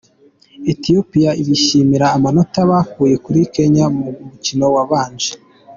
Ethiopia bishimira amanota bakuye kuri Kenya mu mukino wabanje